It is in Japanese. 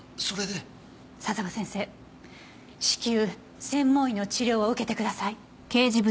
佐沢先生至急専門医の治療を受けてください。